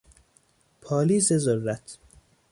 پالیز ذرت